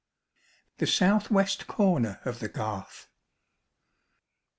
The South West Corner of the Garth.